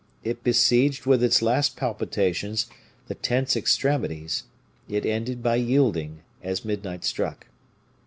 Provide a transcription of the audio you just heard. It besieged with its last palpitations the tense extremities; it ended by yielding as midnight struck.